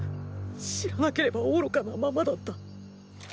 知らなければ愚かなままだった。